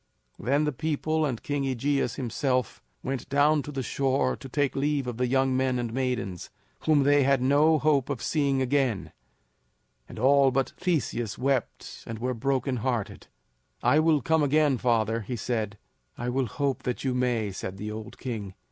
Then the people, and King AEgeus himself, went down to the shore to take leave of the young men and maidens, whom they had no hope of seeing again; and all but Theseus wept and were brokenhearted. "I will come again, father," he said. "I will hope that you may," said the old king.